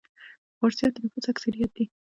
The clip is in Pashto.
فارسیان د نفوس اکثریت دي.